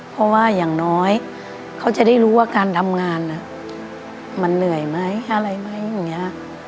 เพราะว่าอย่างน้อยเขาจะได้รู้ว่าการทำงานมันเหนื่อยไหมอะไรไหมอย่างนี้